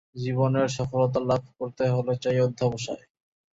জীবনে সফলতা লাভ করতে হলে চাই অধ্যবসায়।